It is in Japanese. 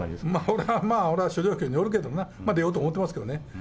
それはまあ、諸条件によるけどな、出ようと思ってますけどね。